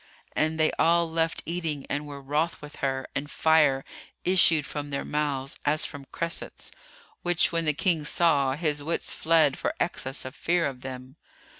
And they all left eating and were wroth with her, and fire issued from their mouths, as from cressets; which when the King saw, his wits fled for excess of fear of them.